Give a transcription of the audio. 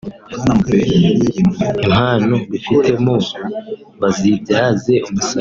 impano bifitemo bazibyaze umusaruro